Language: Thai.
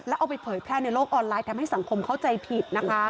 เอาไปเผยแพร่ในโลกออนไลน์ทำให้สังคมเข้าใจผิดนะคะ